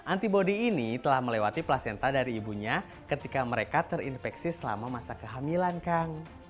antibody ini telah melewati placenta dari ibunya ketika mereka terinfeksi selama masa kehamilan kang